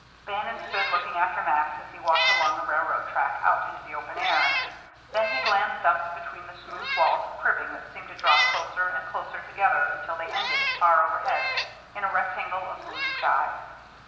Bannon stood looking after Max as he walked along the railroad track out into the open air. Then he glanced up between the smooth walls of cribbing that seemed to draw closer and closer together until they ended, far overhead, in a rectangle of blue sky.